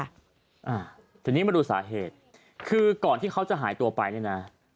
อ่าทีนี้มาดูสาเหตุคือก่อนที่เขาจะหายตัวไปเนี่ยนะ